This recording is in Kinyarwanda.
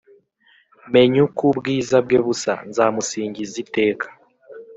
mmeny’ uk’ ubwiza bwe busa; nzamusingiz’ iteka